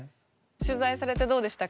取材されてどうでしたか？